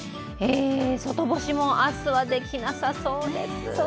外干しも明日はできなさそうです